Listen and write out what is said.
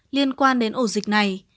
liên quan đến ổ dịch này